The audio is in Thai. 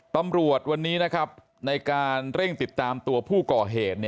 ตำรวจวันนี้นะครับในการเร่งติดตามตัวผู้ก่อเหตุ